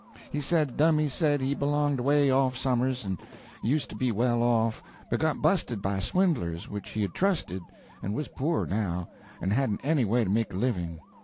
He said Dummy said he belonged away off somers and used to be well off, but got busted by swindlers which he had trusted, and was poor now, and hadn't any way to make a living.